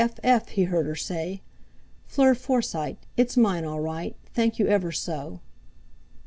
"F. F.," he heard her say. "Fleur Forsyte—it's mine all right. Thank you ever so."